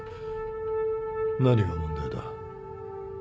何が問題だ？